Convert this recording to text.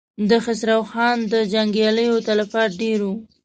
د خسرو خان د جنګياليو تلفات ډېر و.